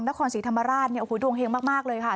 นครศรีธรรมราชดวงเฮงมากเลยค่ะ